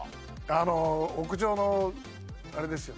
あの屋上のあれですよね。